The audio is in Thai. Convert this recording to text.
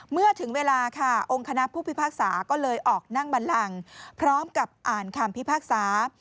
เมื่อถึงเวลาค่ะองค์คณะผู้พิพากษาก็เลยออกนั่งบันลังพร้อมกับอ่านคำพิพากษา